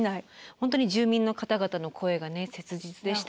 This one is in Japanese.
本当に住民の方々の声が切実でした。